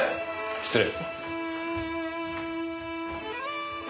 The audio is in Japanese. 失礼。